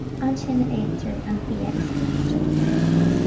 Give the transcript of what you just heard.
Ansin a itear an bia is blasta.